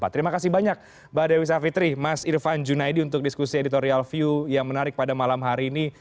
terima kasih banyak mbak dewi savitri mas irfan junaidi untuk diskusi editorial view yang menarik pada malam hari ini